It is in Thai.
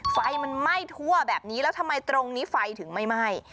ไฟมันไหม้ทั่วแบบนี้แล้วทำไมตรงนี้ไฟถึงไม่ไหม้